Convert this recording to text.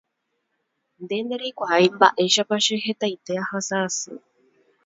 Nde ndereikuaái mba'éichapa che hetaite ahasa'asy